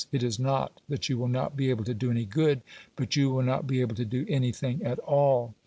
It is not that you will not be able to do any good, but you will not be able to do anything at all.